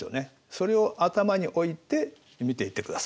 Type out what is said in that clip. それを頭に置いて見ていってください。